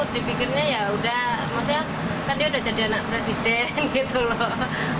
dipikirnya ya udah maksudnya kan dia udah jadi anak presiden gitu loh